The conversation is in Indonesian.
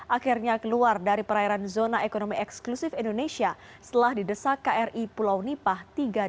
akhirnya keluar dari perairan zona ekonomi eksklusif indonesia setelah didesak kri pulau nipah tiga ratus dua